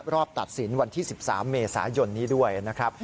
ตัดสินวันที่๑๓เมษายนนี้ด้วยนะครับ